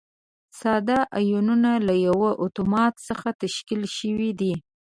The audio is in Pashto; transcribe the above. ساده ایونونه له یوه اتوم څخه تشکیل شوي دي.